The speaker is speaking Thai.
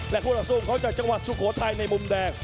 คู่ต่อสู้ของเขาจากจังหวัดสุโขทัยในมุมแดง